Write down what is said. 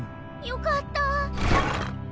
よかった。